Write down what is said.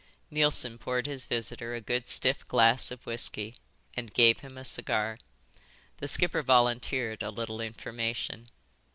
Neilson poured his visitor a good stiff glass of whisky and gave him a cigar. The skipper volunteered a little information.